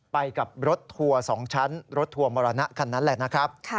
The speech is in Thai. ไปกับรถทัวร์๒ชั้นรถทัวร์มรณะคันนั้นแหละนะครับ